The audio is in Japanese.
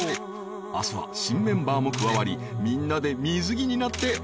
［明日は新メンバーも加わりみんなで水着になって大はしゃぎ］